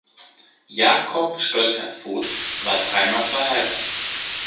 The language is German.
Jacob Stolterfoht war dreimal verheiratet.